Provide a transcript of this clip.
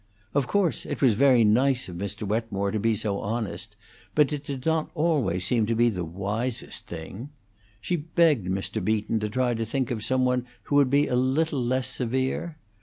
Of course, it was very nice of Mr. Wetmore to be so honest, but it did not always seem to be the wisest thing. She begged Mr. Beaton to try to think of some one who would be a little less severe.